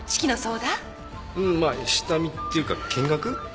うーんまあ下見っていうか見学。